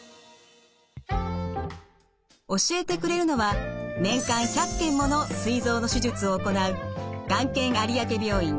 教えてくれるのは年間１００件ものすい臓の手術を行うがん研有明病院